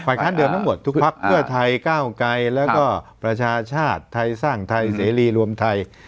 ค้านเดิมทั้งหมดทุกพักเพื่อไทยก้าวไกรแล้วก็ประชาชาติไทยสร้างไทยเสรีรวมไทย